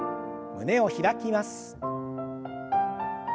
胸を開きます。